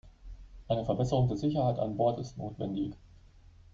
Eine Verbesserung der Sicherheit an Bord ist notwendig.